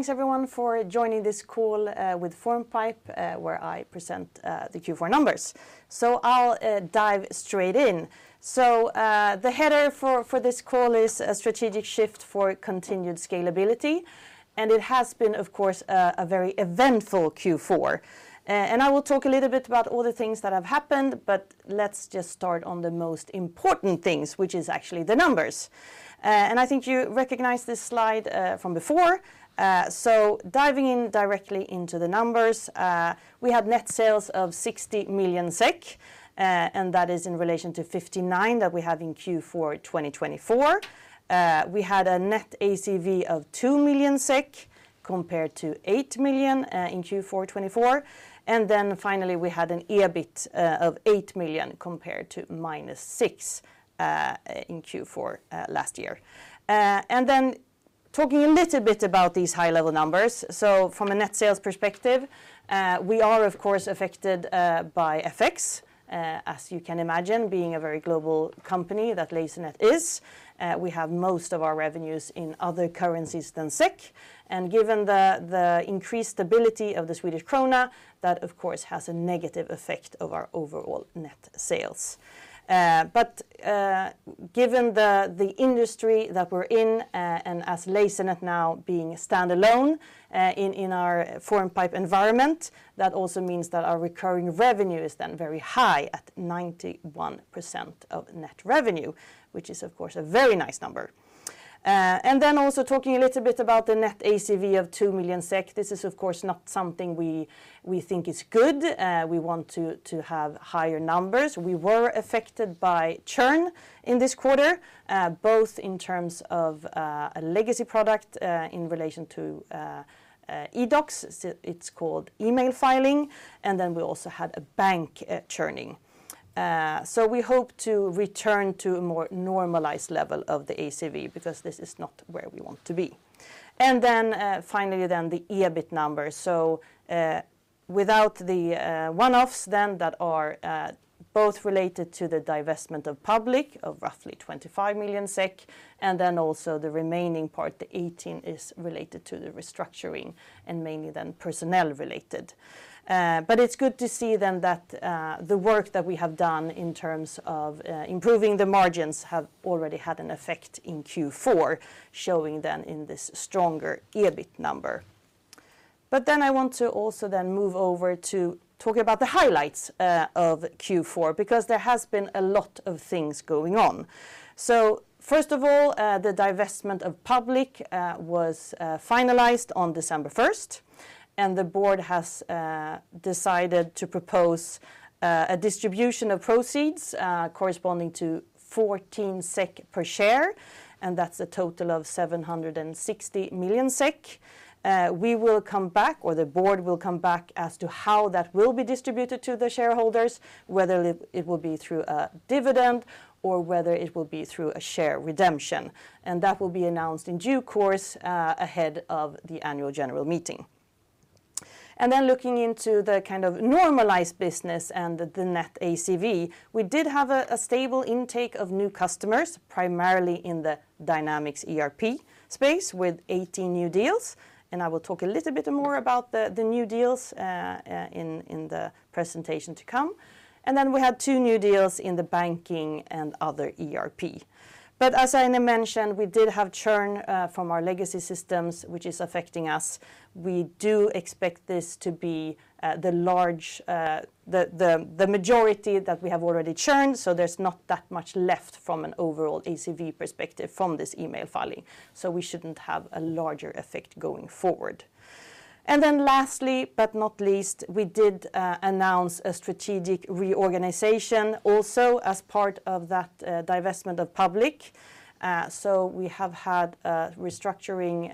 Thanks everyone for joining this call with Formpipe, where I present the Q4 numbers. So I'll dive straight in. So, the header for this call is a strategic shift for continued scalability, and it has been, of course, a very eventful Q4. And I will talk a little bit about all the things that have happened, but let's just start on the most important things, which is actually the numbers. And I think you recognize this slide from before. So diving in directly into the numbers, we had net sales of 60 million SEK, and that is in relation to 59 that we have in Q4 2024. We had a net ACV of 2 million SEK, compared to 8 million in Q4 2024. Finally, we had an EBIT of 8 million, compared to -6 million in Q4 last year. Talking a little bit about these high-level numbers. So from a net sales perspective, we are, of course, affected by effects, as you can imagine, being a very global company that Lasernet is. We have most of our revenues in other currencies than SEK, and given the increased stability of the Swedish krona, that of course, has a negative effect of our overall net sales. But, given the industry that we're in, and as Lasernet now being standalone, in our Formpipe environment, that also means that our recurring revenue is then very high at 91% of net revenue, which is, of course, a very nice number. And then also talking a little bit about the net ACV of 2 million SEK. This is, of course, not something we think is good. We want to have higher numbers. We were affected by churn in this quarter, both in terms of a legacy product in relation to eDOCS. It's called Email Filing, and then we also had a bank churning. So we hope to return to a more normalized level of the ACV, because this is not where we want to be. And then, finally, the EBIT number. So, without the one-offs, that are both related to the divestment of Public, of roughly 25 million SEK, and then also the remaining part, the 18 million, is related to the restructuring and mainly personnel related. But it's good to see then that the work that we have done in terms of improving the margins have already had an effect in Q4, showing then in this stronger EBIT number. But then I want to also then move over to talk about the highlights of Q4, because there has been a lot of things going on. So first of all, the divestment of Public was finalized on December 1st, and the board has decided to propose a distribution of proceeds corresponding to 14 SEK per share, and that's a total of 760 million SEK. We will come back, or the board will come back, as to how that will be distributed to the shareholders, whether it will be through a dividend or whether it will be through a share redemption, and that will be announced in due course, ahead of the annual general meeting. Then looking into the kind of normalized business and the net ACV, we did have a stable intake of new customers, primarily in the Dynamics ERP space, with 18 new deals, and I will talk a little bit more about the new deals in the presentation to come. Then we had two new deals in the banking and other ERP. But as I mentioned, we did have churn from our legacy systems, which is affecting us. We do expect this to be the large... The majority that we have already churned, so there's not that much left from an overall ACV perspective from this Email Filing, so we shouldn't have a larger effect going forward. And then lastly, but not least, we did announce a strategic reorganization also as part of that divestment of Public. So we have had restructuring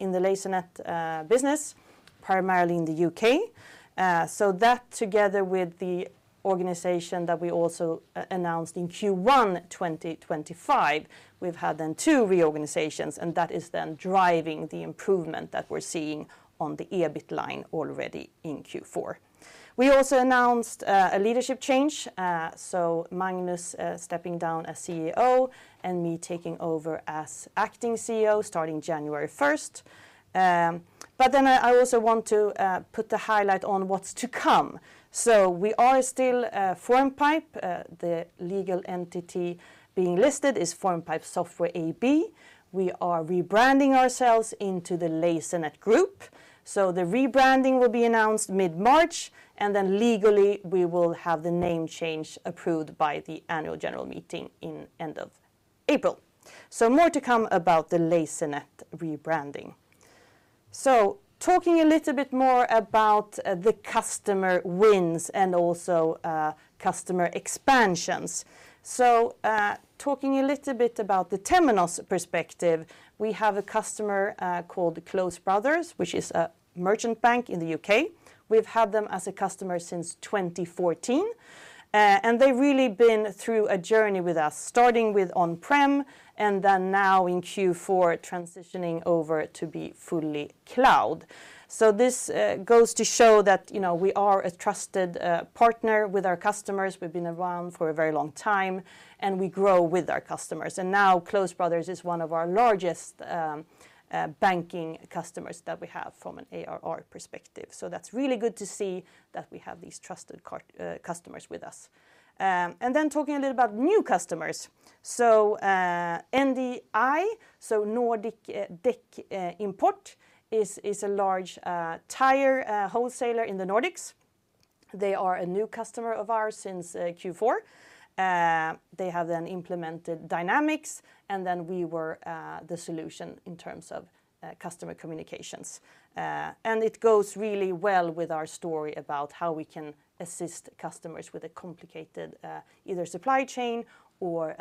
in the Lasernet business, primarily in the U.K. So that, together with the organization that we also announced in Q1 2025, we've had then two reorganizations, and that is then driving the improvement that we're seeing on the EBIT line already in Q4. We also announced a leadership change, so Magnus stepping down as CEO and me taking over as acting CEO, starting January 1st. But then I also want to put the highlight on what's to come. So we are still, Formpipe. The legal entity being listed is Formpipe Software AB. We are rebranding ourselves into the Lasernet Group, so the rebranding will be announced mid-March, and then legally, we will have the name change approved by the annual general meeting in end of April. So more to come about the Lasernet rebranding. So talking a little bit more about, the customer wins and also, customer expansions. So, talking a little bit about the Temenos perspective, we have a customer, called Close Brothers, which is a merchant bank in the U.K. We've had them as a customer since 2014, and they've really been through a journey with us, starting with on-prem and then now in Q4, transitioning over to be fully cloud. So this goes to show that, you know, we are a trusted partner with our customers. We've been around for a very long time, and we grow with our customers. And now, Close Brothers is one of our largest banking customers that we have from an ARR perspective. So that's really good to see that we have these trusted customers with us. And then talking a little about new customers. So, NDI, so Nordisk Dæk Import, is a large tire wholesaler in the Nordics. They are a new customer of ours since Q4. They have then implemented Dynamics, and then we were the solution in terms of customer communications. And it goes really well with our story about how we can assist customers with a complicated, either supply chain or,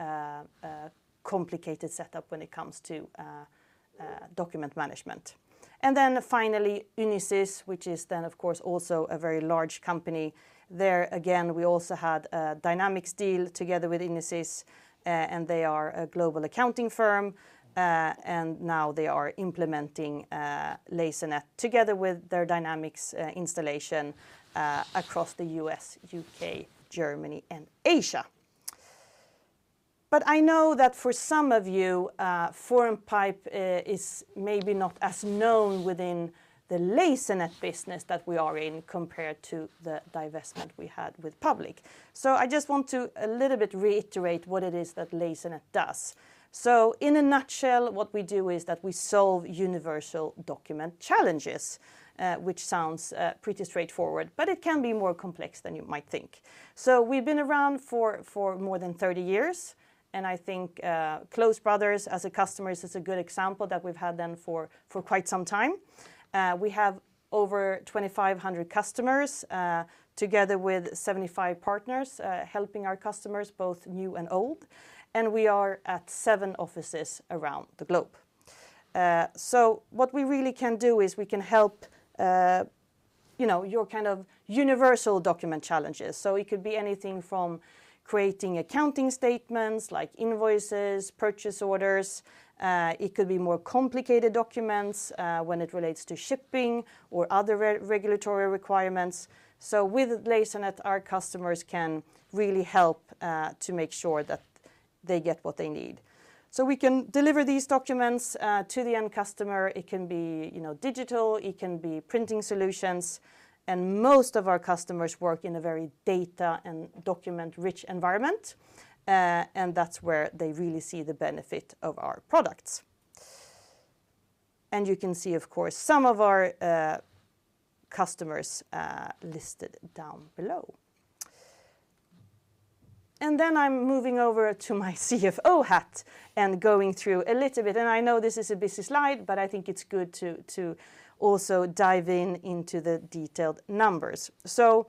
complicated setup when it comes to, document management. And then finally, Unisys, which is then, of course, also a very large company. There again, we also had a Dynamics deal together with Unisys, and they are a global accounting firm. And now they are implementing, Lasernet together with their Dynamics, installation, across the U.S., U.K., Germany, and Asia. But I know that for some of you, Formpipe, is maybe not as known within the Lasernet business that we are in, compared to the divestment we had with Public. So I just want to a little bit reiterate what it is that Lasernet does. So in a nutshell, what we do is that we solve universal document challenges, which sounds pretty straightforward, but it can be more complex than you might think. So we've been around for more than 30 years, and I think Close Brothers, as a customer, is just a good example that we've had them for quite some time. We have over 2,500 customers together with 75 partners helping our customers, both new and old, and we are at seven offices around the globe. So what we really can do is we can help you know your kind of universal document challenges. So it could be anything from creating accounting statements, like invoices, purchase orders. It could be more complicated documents when it relates to shipping or other regulatory requirements. So with Lasernet, our customers can really help to make sure that they get what they need. So we can deliver these documents to the end customer. It can be, you know, digital, it can be printing solutions, and most of our customers work in a very data and document-rich environment, and that's where they really see the benefit of our products. And you can see, of course, some of our customers listed down below. And then I'm moving over to my CFO hat and going through a little bit... And I know this is a busy slide, but I think it's good to also dive in into the detailed numbers. So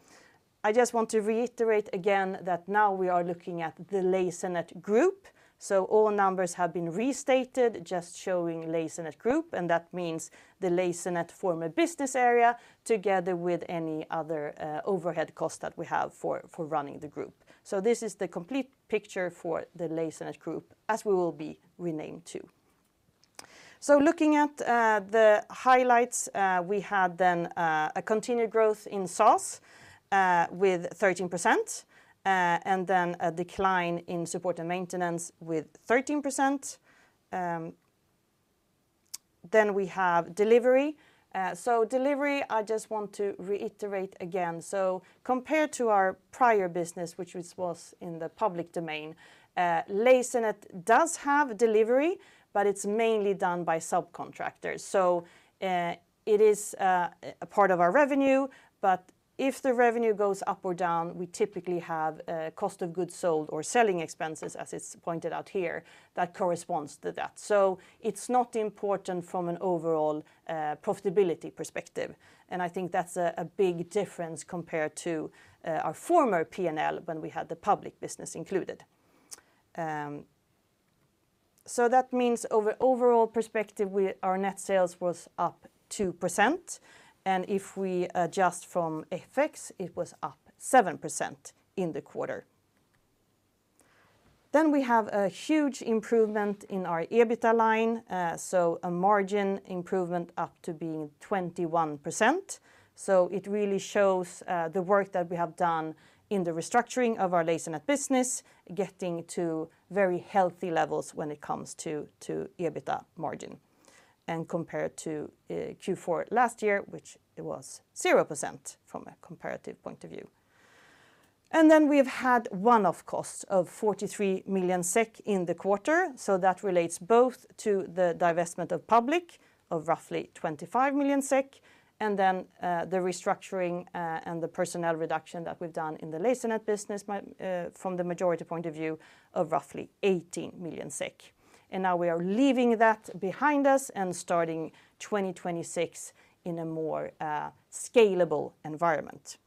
I just want to reiterate again that now we are looking at the Lasernet Group, so all numbers have been restated, just showing Lasernet Group, and that means the Lasernet former business area, together with any other overhead cost that we have for running the group. So this is the complete picture for the Lasernet Group, as we will be renamed to. So looking at the highlights, we had then a continued growth in SaaS with 13%, and then a decline in support and maintenance with 13%. Then we have delivery. So delivery, I just want to reiterate again. So compared to our prior business, which was in the public domain, Lasernet does have delivery, but it's mainly done by subcontractors. So, it is a part of our revenue, but if the revenue goes up or down, we typically have a cost of goods sold or selling expenses, as it's pointed out here, that corresponds to that. So it's not important from an overall profitability perspective, and I think that's a big difference compared to our former P&L, when we had the public business included. So that means overall, our net sales was up 2%, and if we adjust from FX, it was up 7% in the quarter. Then we have a huge improvement in our EBITDA line, so a margin improvement up to being 21%. So it really shows the work that we have done in the restructuring of our Lasernet business, getting to very healthy levels when it comes to EBITDA margin, and compared to Q4 last year, which it was 0% from a comparative point of view. And then we've had one-off costs of 43 million SEK in the quarter, so that relates both to the divestment of public, of roughly 25 million SEK, and then the restructuring and the personnel reduction that we've done in the Lasernet business by... from the majority point of view of roughly 18 million. And now we are leaving that behind us and starting 2026 in a more scalable environment.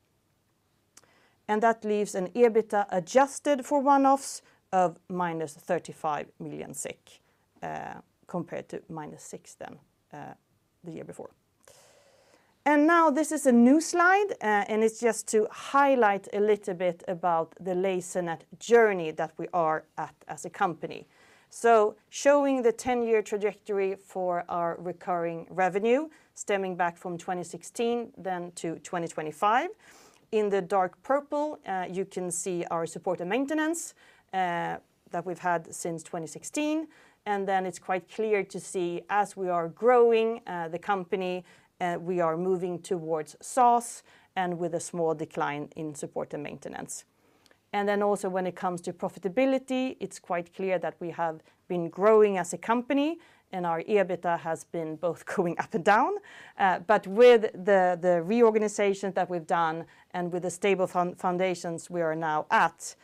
And that leaves an EBITDA adjusted for one-offs of -35 million compared to -6 million the year before. Now this is a new slide, and it's just to highlight a little bit about the Lasernet journey that we are at as a company. Showing the 10-year trajectory for our recurring revenue, stemming back from 2016, then to 2025. In the dark purple, you can see our support and maintenance that we've had since 2016, and then it's quite clear to see, as we are growing the company, we are moving towards SaaS and with a small decline in support and maintenance. Then also, when it comes to profitability, it's quite clear that we have been growing as a company, and our EBITDA has been both going up and down. But with the reorganization that we've done and with the stable foundations we are now at,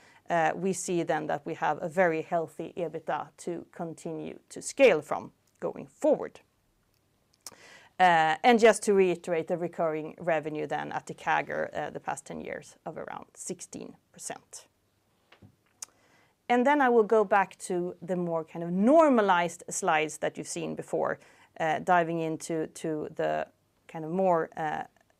we see then that we have a very healthy EBITDA to continue to scale from going forward. And just to reiterate, the recurring revenue then at the CAGR, the past 10 years, of around 16%. Then I will go back to the more kind of normalized slides that you've seen before, diving into the kind of more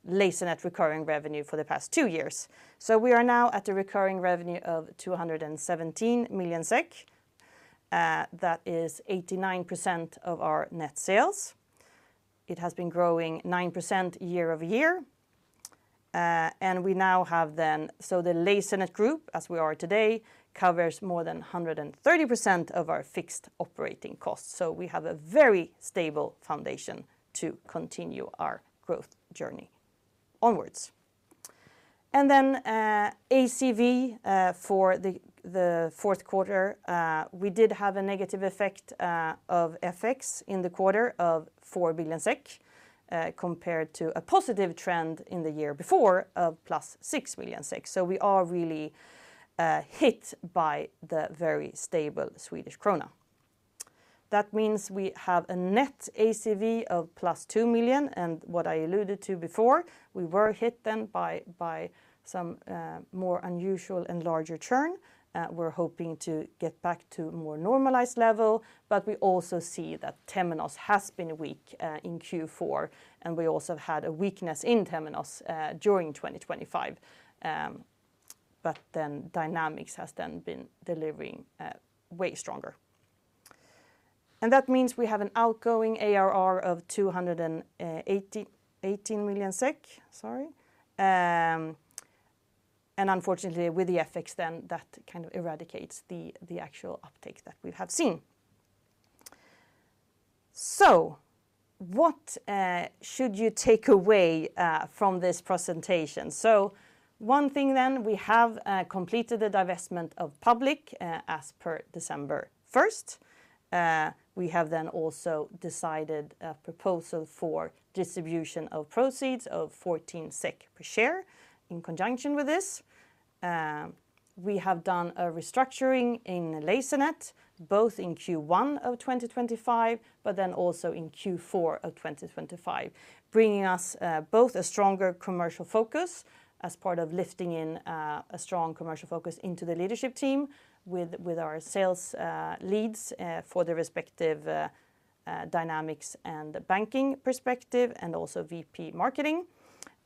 Lasernet recurring revenue for the past two years. So we are now at a recurring revenue of 217 million SEK, that is 89% of our net sales. It has been growing 9% year-over-year. And we now have then, so the Lasernet Group, as we are today, covers more than 130% of our fixed operating costs. So we have a very stable foundation to continue our growth journey onwards. And then, ACV for the fourth quarter, we did have a negative effect of FX in the quarter of 4 billion SEK, compared to a positive trend in the year before of +6 million SEK. So we are really hit by the very stable Swedish krona. That means we have a net ACV of +2 million, and what I alluded to before, we were hit then by some more unusual and larger churn. We're hoping to get back to a more normalized level, but we also see that Temenos has been weak in Q4, and we also had a weakness in Temenos during 2025. But then Dynamics has been delivering way stronger. That means we have an outgoing ARR of 218 million SEK, sorry. And unfortunately, with the FX then, that kind of eradicates the actual uptake that we have seen. So what should you take away from this presentation? So one thing then, we have completed the divestment of Public Sector as per December 1st. We have then also decided a proposal for distribution of proceeds of 14 SEK per share in conjunction with this. We have done a restructuring in Lasernet, both in Q1 of 2025, but then also in Q4 of 2025, bringing us both a stronger commercial focus as part of lifting in a strong commercial focus into the leadership team with our sales leads for the respective Dynamics and the banking perspective, and also VP Marketing.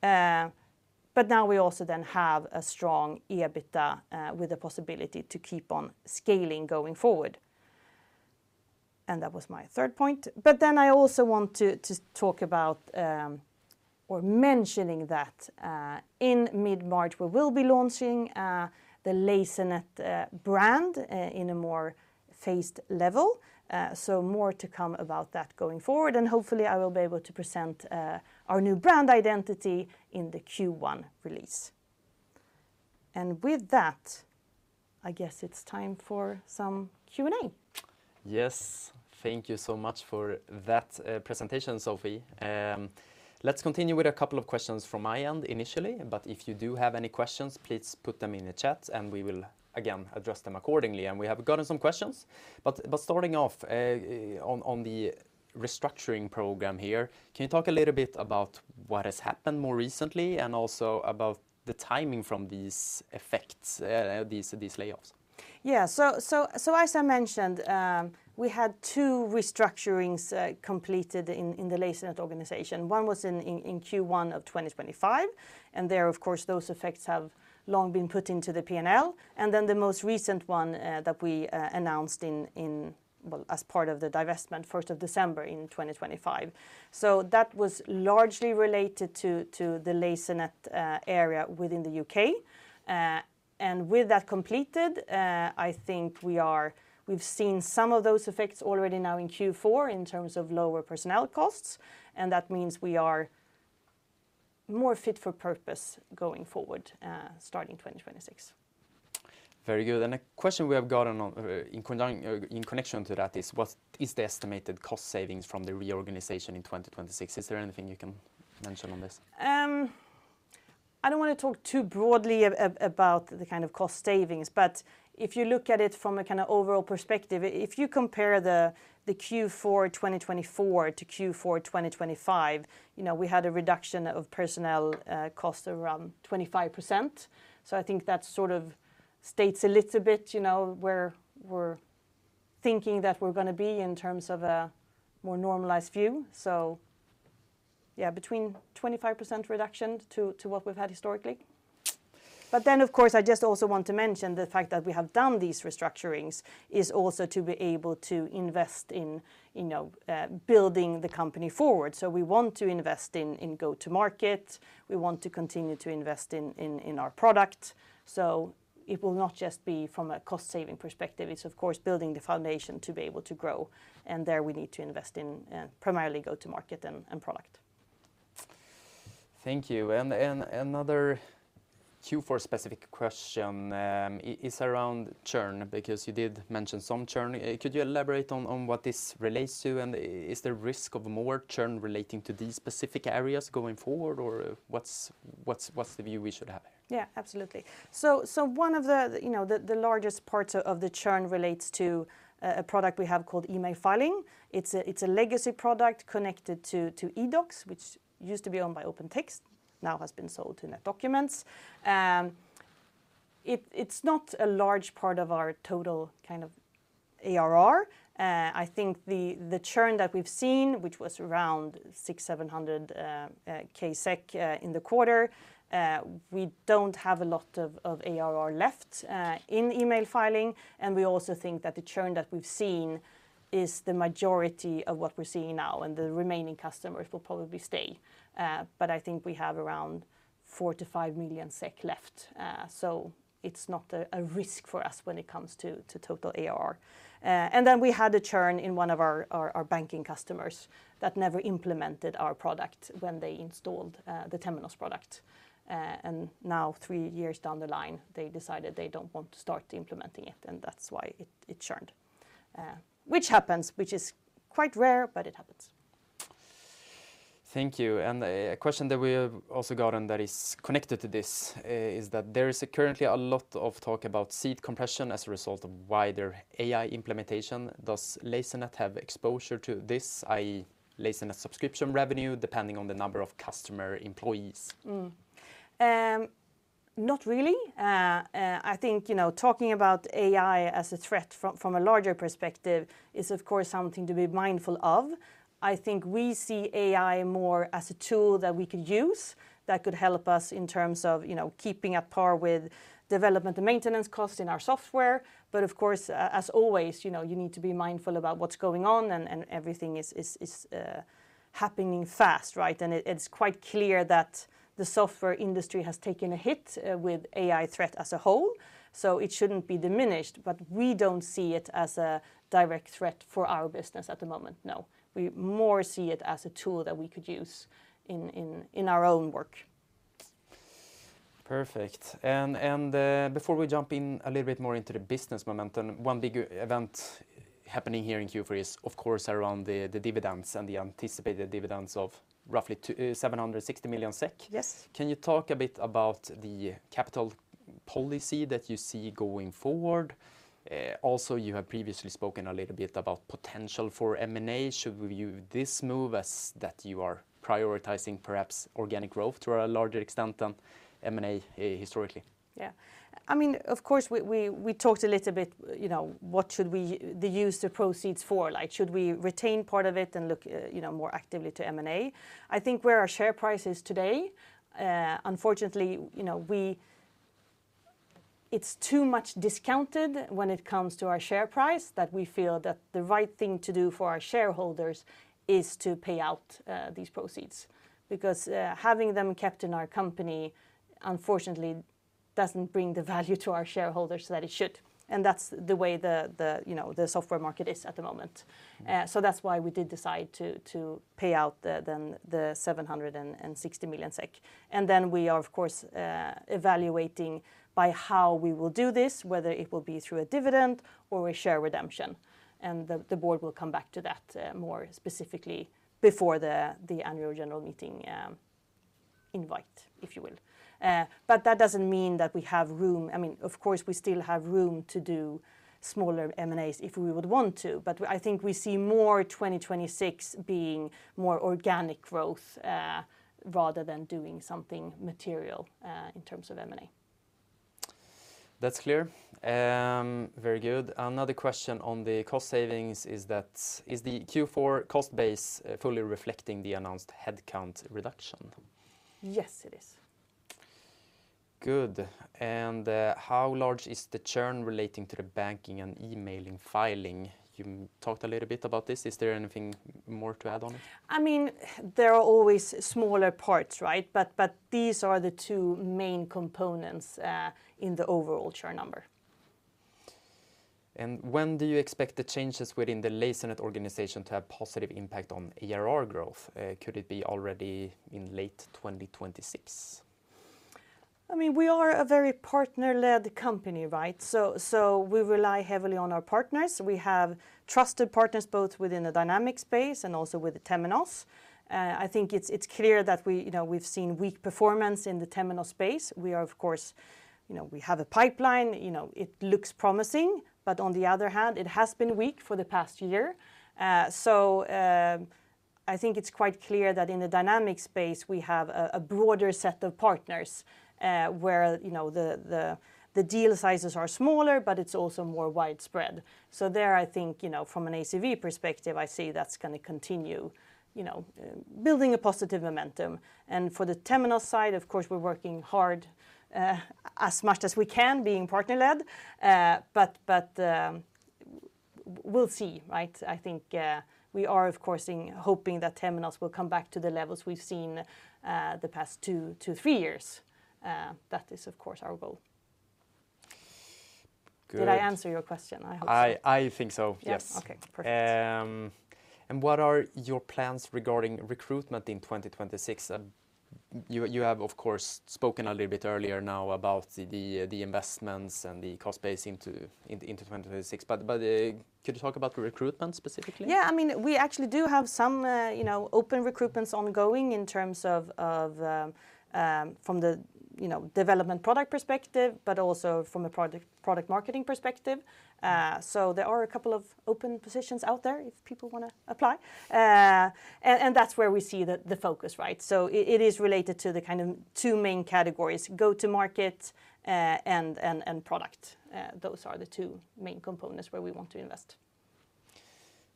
But now we also then have a strong EBITDA, with the possibility to keep on scaling going forward. And that was my third point. But then I also want to, to talk about, or mentioning that, in mid-March, we will be launching, the Lasernet, brand, in a more phased level. So more to come about that going forward, and hopefully, I will be able to present, our new brand identity in the Q1 release. And with that, I guess it's time for some Q&A. Yes. Thank you so much for that presentation, Sophie. Let's continue with a couple of questions from my end initially, but if you do have any questions, please put them in the chat, and we will, again, address them accordingly. And we have gotten some questions, but starting off, on the restructuring program here, can you talk a little bit about what has happened more recently and also about the timing from these effects, these layoffs? Yeah, so as I mentioned, we had two restructurings completed in the Lasernet organization. One was in Q1 of 2025, and there, of course, those effects have long been put into the PNL. And then the most recent one that we announced in... Well, as part of the divestment, 1st of December in 2025. So that was largely related to the Lasernet area within the UK, and with that completed, I think we've seen some of those effects already now in Q4 in terms of lower personnel costs, and that means we are more fit for purpose going forward, starting 2026. Very good. A question we have gotten on, in connection to that is: What is the estimated cost savings from the reorganization in 2026? Is there anything you can mention on this? I don't wanna talk too broadly about the kind of cost savings, but if you look at it from a kind of overall perspective, if you compare the Q4 2024 to Q4 2025, you know, we had a reduction of personnel cost around 25%, so I think that sort of states a little bit, you know, where we're thinking that we're gonna be in terms of a more normalized view. So yeah, between 25% reduction to what we've had historically. But then, of course, I just also want to mention the fact that we have done these restructurings is also to be able to invest in, you know, building the company forward. So we want to invest in go-to-market. We want to continue to invest in our product. So it will not just be from a cost saving perspective, it's of course building the foundation to be able to grow, and there we need to invest in, primarily go-to-market and product. Thank you. Another Q4 specific question is around churn, because you did mention some churn. Could you elaborate on what this relates to, and is there risk of more churn relating to these specific areas going forward? Or what's the view we should have? Yeah, absolutely. So one of the, you know, the largest parts of the churn relates to a product we have called Email Filing. It's a legacy product connected to eDOCS, which used to be owned by OpenText, now has been sold to NetDocuments. It's not a large part of our total kind of ARR. I think the churn that we've seen, which was around 600,000-700,000 in the quarter, we don't have a lot of ARR left in Email Filing. And we also think that the churn that we've seen is the majority of what we're seeing now, and the remaining customers will probably stay. But I think we have around 4 million-5 million SEK left, so it's not a risk for us when it comes to total ARR. And then we had a churn in one of our banking customers that never implemented our product when they installed the Temenos product. And now three years down the line, they decided they don't want to start implementing it, and that's why it churned. Which happens, which is quite rare, but it happens. Thank you. A question that we have also gotten that is connected to this is that there is currently a lot of talk about seat compression as a result of wider AI implementation. Does Lasernet have exposure to this, i.e., Lasernet subscription revenue depending on the number of customer employees? Not really. I think, you know, talking about AI as a threat from a larger perspective is, of course, something to be mindful of. I think we see AI more as a tool that we could use, that could help us in terms of, you know, keeping at par with development and maintenance costs in our software. But of course, as always, you know, you need to be mindful about what's going on, and everything is happening fast, right? And it, it's quite clear that the software industry has taken a hit with AI threat as a whole, so it shouldn't be diminished, but we don't see it as a direct threat for our business at the moment, no. We more see it as a tool that we could use in our own work. Perfect. Before we jump in a little bit more into the business momentum, one big event happening here in Q4 is, of course, around the dividends and the anticipated dividends of roughly 760 million SEK. Yes. Can you talk a bit about the capital policy that you see going forward? Also, you have previously spoken a little bit about potential for M&A. Should we view this move as that you are prioritizing perhaps organic growth to a larger extent than M&A, historically? Yeah. I mean, of course, we talked a little bit, you know, what should we use the proceeds for, like, should we retain part of it and look, you know, more actively to M&A? I think where our share price is today, unfortunately, you know, it's too much discounted when it comes to our share price, that we feel that the right thing to do for our shareholders is to pay out these proceeds. Because, having them kept in our company, unfortunately, doesn't bring the value to our shareholders that it should, and that's the way the, you know, the software market is at the moment. Mm. So that's why we did decide to pay out the 760 million SEK. And then we are, of course, evaluating by how we will do this, whether it will be through a dividend or a share redemption, and the board will come back to that, more specifically before the annual general meeting invite, if you will. But that doesn't mean that we have room... I mean, of course, we still have room to do smaller M&As if we would want to, but I think we see more 2026 being more organic growth, rather than doing something material, in terms of M&A. That's clear. Very good. Another question on the cost savings is that, "Is the Q4 cost base fully reflecting the announced headcount reduction? Yes, it is. Good. And, "How large is the churn relating to the banking and Email Filing?" You talked a little bit about this. Is there anything more to add on? I mean, there are always smaller parts, right? But these are the two main components in the overall churn number. When do you expect the changes within the Lasernet organization to have positive impact on ARR growth? Could it be already in late 2026? I mean, we are a very partner-led company, right? So, we rely heavily on our partners. We have trusted partners, both within the Dynamics space and also with Temenos. I think it's clear that we, you know, we've seen weak performance in the Temenos space. We are, of course. You know, we have a pipeline, you know, it looks promising, but on the other hand, it has been weak for the past year. So, I think it's quite clear that in the Dynamics space, we have a broader set of partners, where, you know, the deal sizes are smaller, but it's also more widespread. So there, I think, you know, from an ACV perspective, I see that's gonna continue, you know, building a positive momentum. For the Temenos side, of course, we're working hard, as much as we can, being partner-led. But we'll see, right? I think we are, of course, hoping that Temenos will come back to the levels we've seen the past two to three years. That is, of course, our goal. Good. Did I answer your question? I hope so. I think so, yes. Yeah. Okay, perfect. And what are your plans regarding recruitment in 2026? You have, of course, spoken a little bit earlier now about the investments and the cost base into 2026. Could you talk about the recruitment specifically? Yeah, I mean, we actually do have some, you know, open recruitments ongoing in terms of from the, you know, development product perspective, but also from a product marketing perspective. So there are a couple of open positions out there if people wanna apply. And that's where we see the focus, right? It is related to the kind of two main categories: go-to-market and product. Those are the two main components where we want to invest.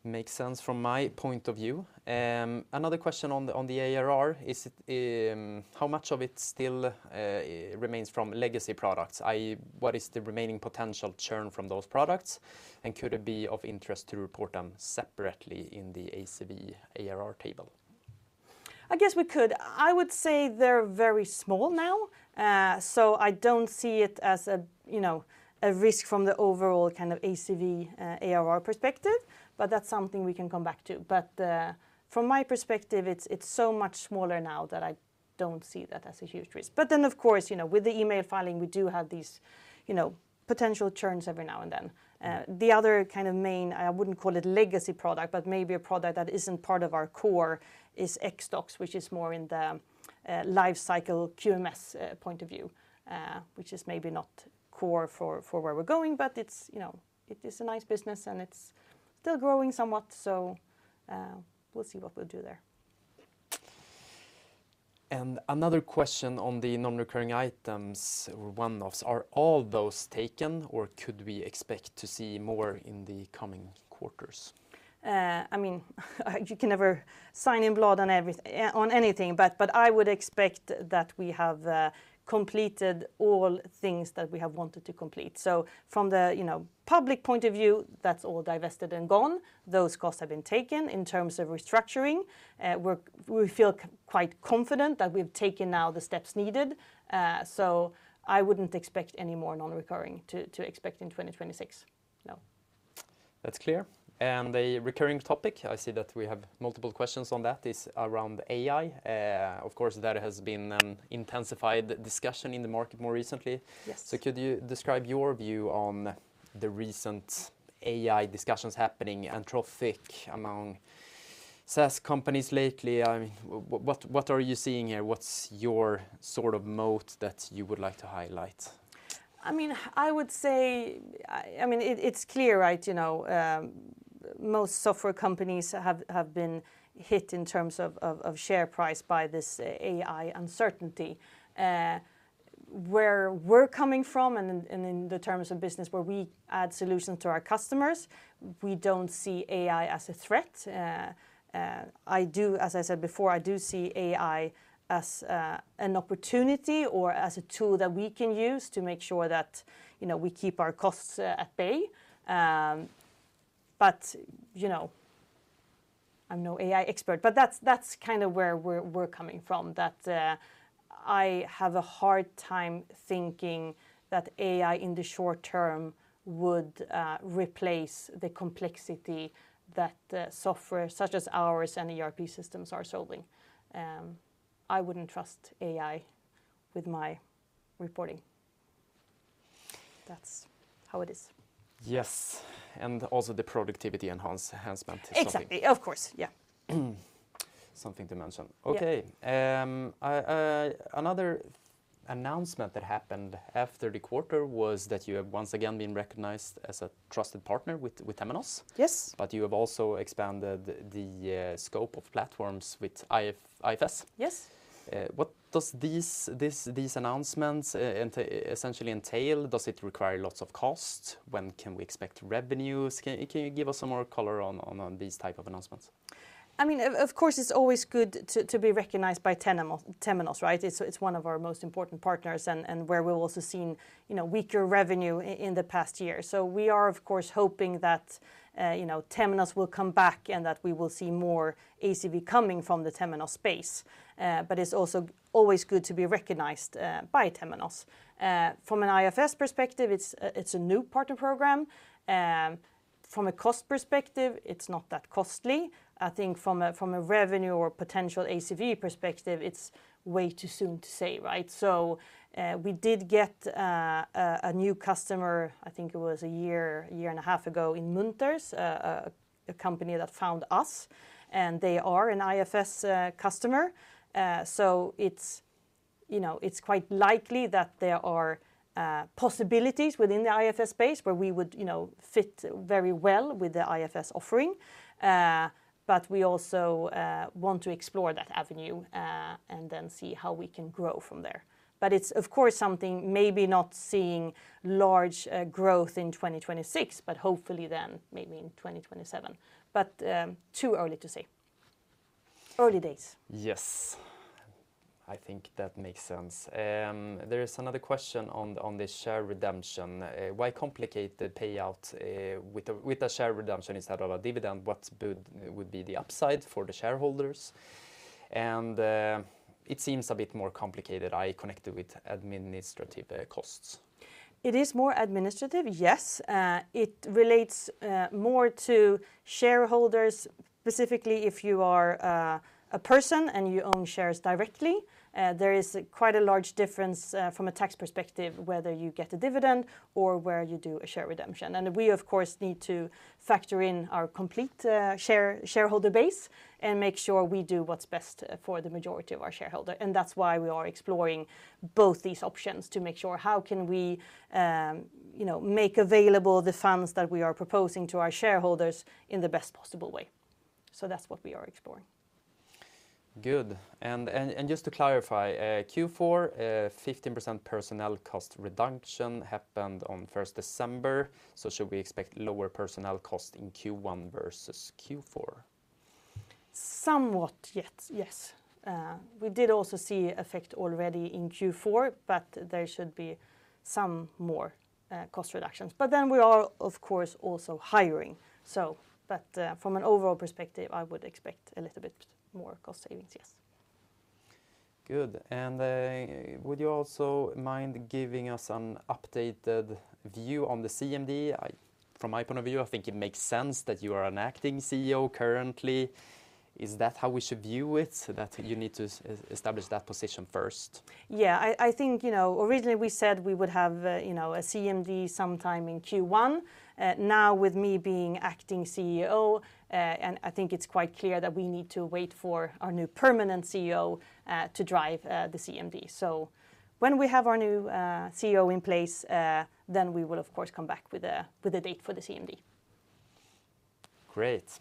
Makes sense from my point of view. Another question on the ARR: how much of it still remains from legacy products? I.e., what is the remaining potential churn from those products, and could it be of interest to report them separately in the ACV, ARR table? I guess we could. I would say they're very small now. So I don't see it as a, you know, a risk from the overall kind of ACV, ARR perspective, but that's something we can come back to. But from my perspective, it's so much smaller now that I don't see that as a huge risk. But then, of course, you know, with the Email Filing, we do have these, you know, potential churns every now and then. The other kind of main, I wouldn't call it legacy product, but maybe a product that isn't part of our core, is X-docs, which is more in the life cycle QMS point of view, which is maybe not core for where we're going, but it's, you know, it is a nice business, and it's still growing somewhat. So, we'll see what we'll do there. Another question on the non-recurring items, one-offs. Are all those taken, or could we expect to see more in the coming quarters? I mean, you can never sign in blood on anything, but I would expect that we have completed all things that we have wanted to complete. So from the, you know, public point of view, that's all divested and gone. Those costs have been taken in terms of restructuring. We feel quite confident that we've taken now the steps needed, so I wouldn't expect any more non-recurring to expect in 2026, no. That's clear. The recurring topic, I see that we have multiple questions on that, is around AI. Of course, that has been an intensified discussion in the market more recently. Yes. So could you describe your view on the recent AI discussions happening and traffic among SaaS companies lately? I mean, what are you seeing here? What's your sort of moat that you would like to highlight? I mean, I would say... I mean, it's clear, right, you know, most software companies have been hit in terms of share price by this AI uncertainty. Where we're coming from, and in the terms of business, where we add solution to our customers, we don't see AI as a threat. I do, as I said before, I do see AI as an opportunity or as a tool that we can use to make sure that, you know, we keep our costs at bay. But, you know, I'm no AI expert, but that's kind of where we're coming from, that I have a hard time thinking that AI, in the short term, would replace the complexity that software such as ours and ERP systems are solving. I wouldn't trust AI with my reporting. That's how it is. Yes, and also the productivity enhancement. Exactly. Of course, yeah. Something to mention. Yeah. Okay, another announcement that happened after the quarter was that you have once again been recognized as a trusted partner with Temenos. Yes. But you have also expanded the scope of platforms with IFS. Yes. What does these—this, these announcements essentially entail? Does it require lots of cost? When can we expect revenues? Can you give us some more color on these type of announcements? I mean, of course, it's always good to be recognized by Temenos, right? It's one of our most important partners and where we've also seen, you know, weaker revenue in the past year. So we are, of course, hoping that, you know, Temenos will come back and that we will see more ACV coming from the Temenos space. But it's also always good to be recognized by Temenos. From an IFS perspective, it's a new partner program. From a cost perspective, it's not that costly. I think from a revenue or potential ACV perspective, it's way too soon to say, right? So, we did get a new customer, I think it was a year, a year and a half ago, in Munters, a company that found us, and they are an IFS customer. So it's you know, it's quite likely that there are possibilities within the IFS space where we would you know, fit very well with the IFS offering. But we also want to explore that avenue, and then see how we can grow from there. But it's, of course, something maybe not seeing large growth in 2026, but hopefully then maybe in 2027, but too early to say. Early days. Yes. I think that makes sense. There is another question on the share redemption. Why complicate the payout with a share redemption instead of a dividend? What would be the upside for the shareholders? And it seems a bit more complicated, it's connected with administrative costs. It is more administrative, yes. It relates more to shareholders, specifically if you are a person and you own shares directly. There is quite a large difference from a tax perspective, whether you get a dividend or where you do a share redemption. And we, of course, need to factor in our complete shareholder base and make sure we do what's best for the majority of our shareholder. And that's why we are exploring both these options to make sure how can we, you know, make available the funds that we are proposing to our shareholders in the best possible way. So that's what we are exploring. Good. And just to clarify, Q4 15% personnel cost reduction happened on 1st December, so should we expect lower personnel cost in Q1 versus Q4? Somewhat, yes, yes. We did also see effect already in Q4, but there should be some more cost reductions. But then we are, of course, also hiring, so... But, from an overall perspective, I would expect a little bit more cost savings, yes. Good. And, would you also mind giving us an updated view on the CMD? From my point of view, I think it makes sense that you are an Acting CEO currently. Is that how we should view it, that you need to establish that position first? Yeah, I think, you know, originally, we said we would have, you know, a CMD sometime in Q1. Now, with me being acting CEO, and I think it's quite clear that we need to wait for our new permanent CEO, to drive, the CMD. So when we have our new, CEO in place, then we will, of course, come back with a, with a date for the CMD. Great.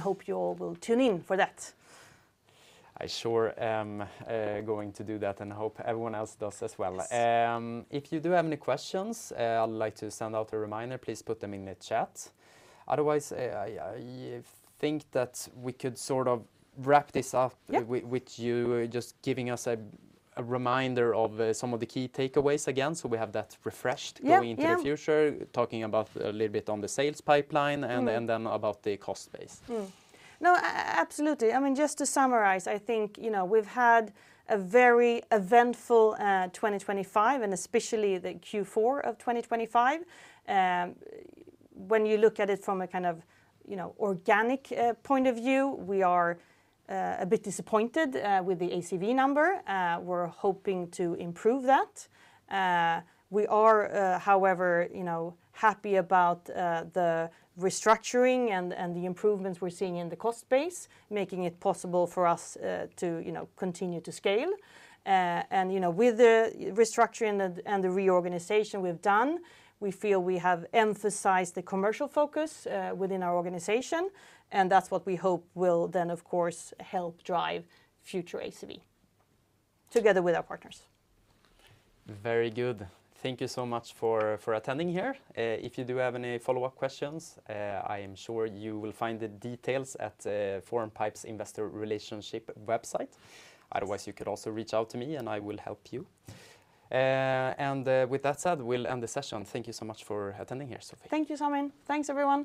Hope you all will tune in for that. I sure am, going to do that, and hope everyone else does as well. Yes. If you do have any questions, I'd like to send out a reminder, please put them in the chat. Otherwise, I think that we could sort of wrap this up. Yeah With you just giving us a reminder of some of the key takeaways again, so we have that refreshed. Yeah, yeah Going into the future, talking about a little bit on the sales pipeline. Mm And then about the cost base. No, absolutely. I mean, just to summarize, I think, you know, we've had a very eventful 2025, and especially the Q4 of 2025. When you look at it from a kind of, you know, organic point of view, we are a bit disappointed with the ACV number. We're hoping to improve that. We are, however, you know, happy about the restructuring and the improvements we're seeing in the cost base, making it possible for us to, you know, continue to scale. And, you know, with the restructuring and the reorganization we've done, we feel we have emphasized the commercial focus within our organization, and that's what we hope will then, of course, help drive future ACV, together with our partners. Very good. Thank you so much for attending here. If you do have any follow-up questions, I am sure you will find the details at Formpipe investor relations website. Otherwise, you could also reach out to me, and I will help you. With that said, we'll end the session. Thank you so much for attending here, Sophie. Thank you, Simon. Thanks, everyone.